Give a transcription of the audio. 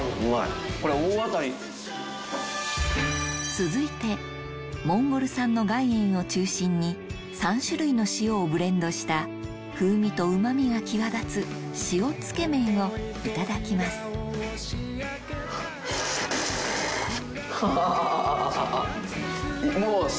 続いてモンゴル産の岩塩を中心に３種類の塩をブレンドした風味とうまみが際立つ塩つけ麺をいただきますハハハハ！